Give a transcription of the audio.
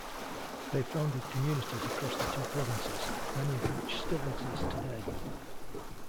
They founded communities across the two provinces, many of which still exist today.